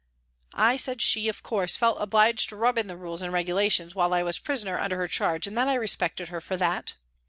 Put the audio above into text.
I said she, of course, felt obliged to rub in the rules and regulations while I was prisoner under her charge and that I respected her for that.